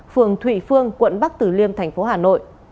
phường thụy phương quận bắc tử liêm thành phố hà nội